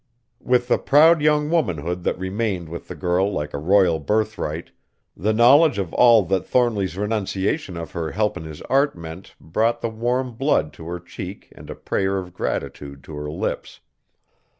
With the proud young womanhood that remained with the girl like a royal birthright, the knowledge of all that Thornly's renunciation of her help in his art meant brought the warm blood to her cheek and a prayer of gratitude to her lips.